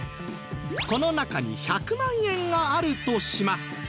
この中に１００万円があるとします